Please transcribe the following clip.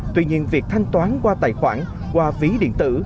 tuy nhiên việc thanh toán qua tài khoản qua ví điện tử